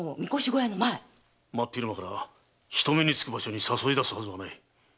真っ昼間から人目に付く場所に誘い出すはずはない。